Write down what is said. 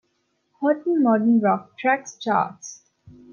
Hot Modern Rock Tracks charts.